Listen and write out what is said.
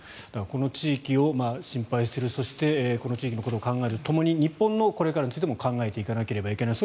この地域を心配するそしてこの地域のことを考えるとともに日本のこれからのことも考えなきゃいけない。